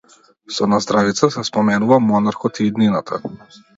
Со наздравица се споменува монархот и иднината.